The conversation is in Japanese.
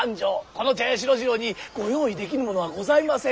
この茶屋四郎次郎にご用意できぬものはございません。